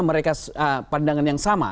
mereka pandangan yang sama